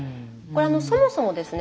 そもそもですね